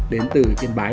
đến từ tiên bái